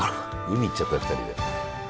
海行っちゃったよ２人で。